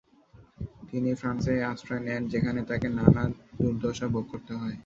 তিনি ফ্রান্সে আশ্রয় নেন যেখানে তাকে নানা দুর্দশা ভোগ করতে হয়।